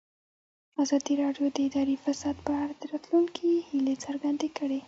ازادي راډیو د اداري فساد په اړه د راتلونکي هیلې څرګندې کړې.